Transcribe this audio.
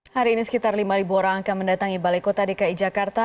hari ini sekitar lima orang akan mendatangi balai kota dki jakarta